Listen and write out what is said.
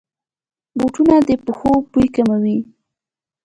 بوټونه د پښو بوی کموي.